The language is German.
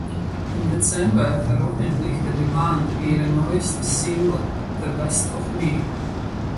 Im Dezember veröffentlichte die Band ihre neueste Single "The Best of Me".